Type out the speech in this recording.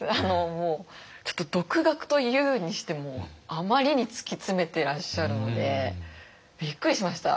もうちょっと独学と言うにしてもあまりに突き詰めてらっしゃるのでびっくりしました。